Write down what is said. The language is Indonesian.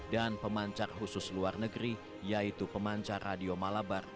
dan pemancar khusus luar negeri yaitu pemancar radio malabar